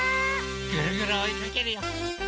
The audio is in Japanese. ぐるぐるおいかけるよ！